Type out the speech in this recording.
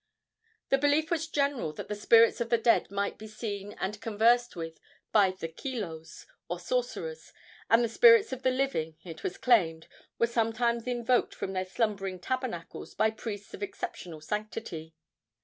The belief was general that the spirits of the dead might be seen and conversed with by the kilos, or sorcerers, and the spirits of the living, it was claimed, were sometimes invoked from their slumbering tabernacles by priests of exceptional sanctity.